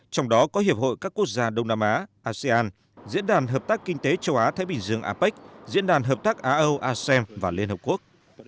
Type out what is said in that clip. trong đó có hiệp hội các quốc gia đông nam á asean diễn đàn hợp tác kinh tế châu á thái bình dương apec diễn đàn hợp tác á âu asem và liên hợp quốc